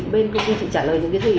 bên công ty trả lời những cái gì